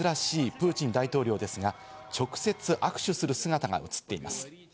プーチン大統領ですが、直接、握手する姿が映っています。